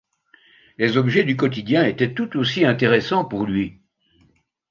Les objets du quotidien étaient tout aussi intéressants pour lui.